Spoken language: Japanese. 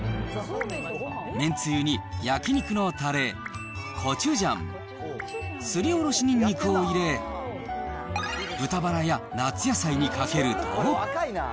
めんつゆに焼き肉のたれ、コチュジャン、すりおろしにんにくを入れ、豚バラや夏野菜にかけると。